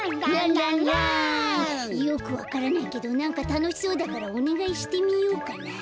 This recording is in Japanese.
よくわからないけどなんかたのしそうだからおねがいしてみようかな。